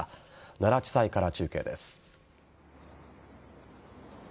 奈良地裁から中継です。